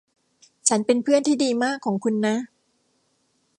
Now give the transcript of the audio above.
ฉันเป็นเพื่อนที่ดีมากของคุณนะ